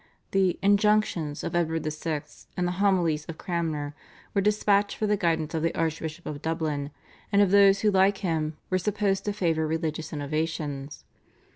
The /Injunctions/ of Edward VI. and the /Homilies/ of Cranmer were dispatched for the guidance of the Archbishop of Dublin, and of those who, like him, were supposed to favour religious innovations.